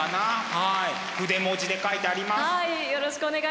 はい。